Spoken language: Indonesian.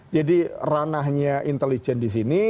jadi ranahnya intelijen disini